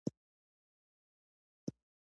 يور د مېړه ويرنداري ته ويل کيږي.